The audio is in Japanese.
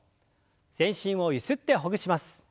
全身をゆすってほぐします。